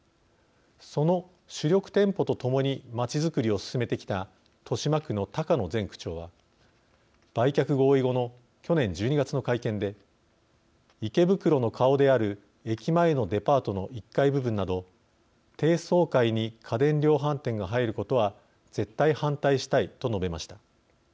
その主力店舗とともに街づくりを進めてきた豊島区の高野前区長は売却合意後の去年１２月の会見で池袋の顔である駅前のデパートの１階部分など低層階に家電量販店が入ることは絶対反対したいと述べました。